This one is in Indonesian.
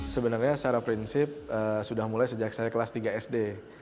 sebenarnya secara prinsip sudah mulai sejak saya kelas tiga sd